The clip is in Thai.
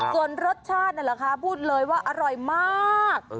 ส่วนรสชาตินั่นแหละค่ะพูดเลยว่าอร่อยมาก